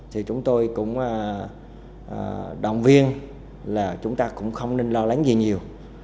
thì chúng tôi cũng động viên là chúng ta cũng không nên lo lắng gì nhiều